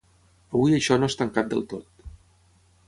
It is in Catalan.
Avui això no és tancat del tot.